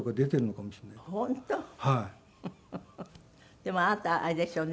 でもあなたあれですよね。